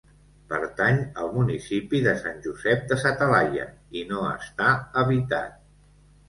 Pertany al municipi de Sant Josep de sa Talaia i no està habitat.